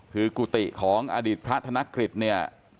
คือกุฏิของอดีตพระธนกฤษเนี่ย